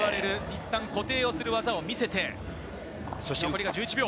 いったん固定をする技を見せて、残り１１秒。